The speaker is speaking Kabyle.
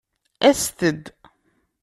Aset-d!